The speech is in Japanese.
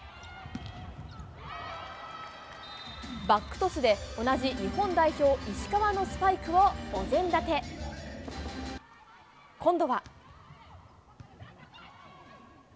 バックトスで、同じ日本代表、石川のスパイクをお膳立て。今度は。